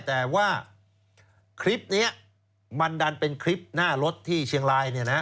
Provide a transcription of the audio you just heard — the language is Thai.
แต่ว่าคลิปนี้มันดันเป็นคลิปหน้ารถที่เชียงราย